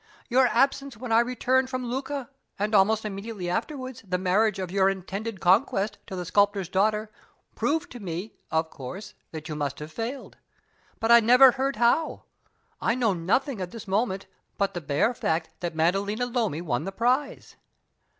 Your absence when I returned from Lucca, and, almost immediately afterward, the marriage of your intended conquest to the sculptor's daughter, proved to me, of course, that you must have failed. But I never heard how. I know nothing at this moment but the bare fact that Maddalena Lomi won the prize."